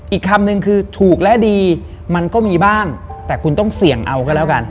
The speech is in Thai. อีกคำนึงคือถูกและดีมันก็มีบ้างแต่คุณต้องเสี่ยงเอาก็แล้วกัน